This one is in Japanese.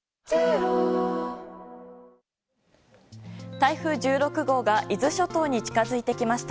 台風１６号が伊豆諸島に近づいてきました。